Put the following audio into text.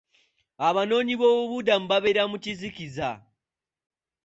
Abanoonyiboobubudamu babeera mu kizikiza.